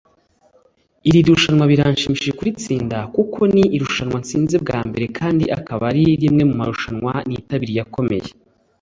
“Iri rushanwa birashimishije kuritsinda kuko ni irushanwa tsinze bwa mbere kandi akaba ari rimwe mu marushanwa nitabira akomeye